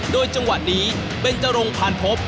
โดยจังหวะนี้เบนจรงพานพบ